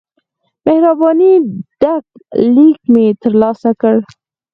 مهربانی ډک لیک مې ترلاسه کړ.